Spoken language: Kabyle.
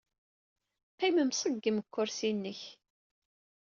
Qqim mṣeggem deg ukersi-nnek.